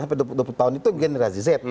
tujuh belas sampai dua puluh tahun itu generasi z